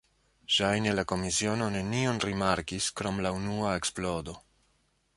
Ŝajne la komisiono nenion rimarkis, krom la unua eksplodo.